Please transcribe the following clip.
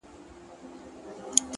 پرمختګ د نن له کوچنیو ګامونو جوړېږي